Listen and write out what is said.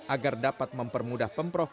agar dapat mempermudah pemprov